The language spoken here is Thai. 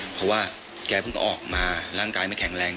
เพราะว่าแกเพิ่งออกมาร่างกายไม่แข็งแรง